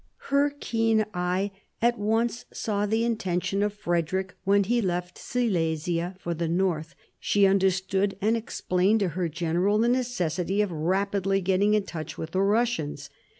Her keen eye at once saw the intention of Frederick when he left Silesia for the north; she understood and explained to her general the necessity of rapidly getting into touch with the Russians.